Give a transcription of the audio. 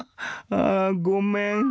あごめん。